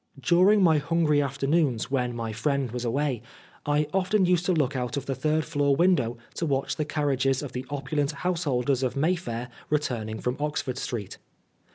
During my hungry afternoons, when my friend was away, I often used to look out of the third floor window to watch the carriages of the opulent householders of Mayfair returning from Oxford Street.